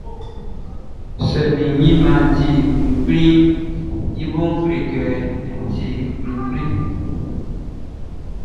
Sɛ min ɲinmaʼn ti kpinngbinʼn, i boʼn yɛle kɛ n ti kpinngbin, afin bakanʼn ti kpinngbin tra nanninʼn.